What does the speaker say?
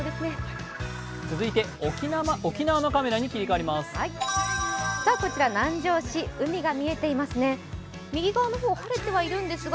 続いて沖縄のカメラに切り替わります。